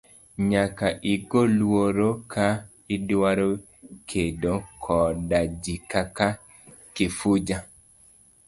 Nyaka igo luoro ka idwaro kedo koda ji kaka Kifuja.